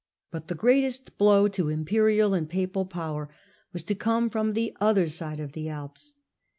But the greatest blow to in Apulia imperial and papal power was to come from the other side of the Alps.